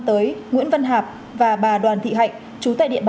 một ủy ban dân tộc